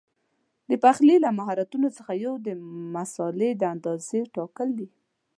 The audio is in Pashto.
د پخلي له مهارتونو څخه یو د مسالې د اندازې ټاکل دي.